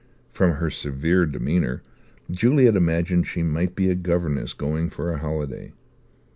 From her severe demeanour Juliet imagined she might be a governess going for a holiday.